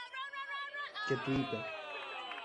και του είπε